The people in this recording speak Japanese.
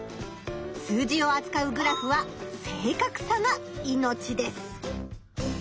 数字をあつかうグラフは正かくさが命です。